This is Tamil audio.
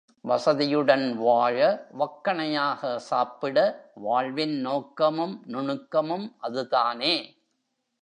வசதியுடன் வாழ வக்கணையாக சாப்பிட, வாழ்வின் நோக்கமும் நுணுக்கமும் அதுதானே!